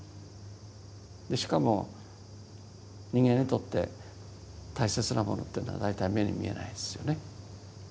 しかも人間にとって大切なものっていうのは大体目に見えないですよね。